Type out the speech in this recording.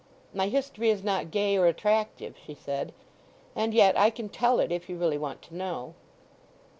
"My history is not gay or attractive," she said. "And yet I can tell it, if you really want to know."